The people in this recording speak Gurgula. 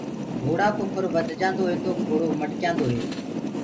گھوڙآ ڪو کُر وڌجآندو هي تو گھوڙو مڊڪيآندو هي۔